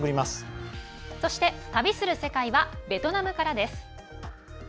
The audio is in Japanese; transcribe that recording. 「旅する世界」はベトナムからです。